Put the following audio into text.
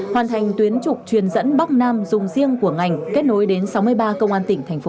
hoàn thành tuyến trục truyền dẫn bắc nam dùng riêng của ngành kết nối đến sáu mươi ba công an tỉnh